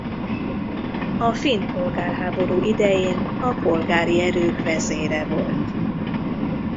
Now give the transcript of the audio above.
A finn polgárháború idején a polgári erők vezére volt.